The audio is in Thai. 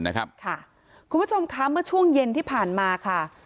นะครับคุณผู้ชมท๊อบเมื่อช่วงเย็นที่ผ่านมาครับ